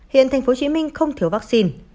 hiện tp hcm không thiếu vaccine